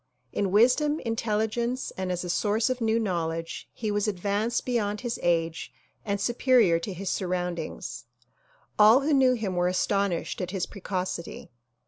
In wisdom, intelligence and as a source of new knowledge he was advanced beyond his age and superior to his surroundings. All who knew him were astonished at his precocity.